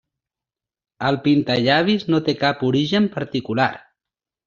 El pintallavis no té cap origen particular.